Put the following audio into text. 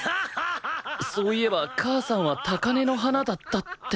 そういえば母さんは高嶺の花だったって